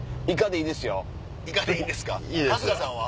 いいですか？